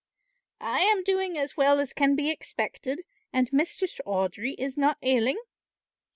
"I am doing as well as can be expected, and Mistress Audry is not ailing."